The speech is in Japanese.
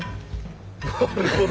なるほど。